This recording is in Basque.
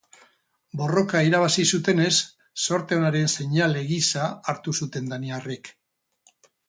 Borroka irabazi zutenez zorte onaren seinale gisa hartu zuten daniarrek.